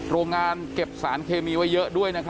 โรงงานเก็บสารเคมีไว้เยอะด้วย